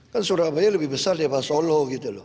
kan surabaya lebih besar daripada solo gitu loh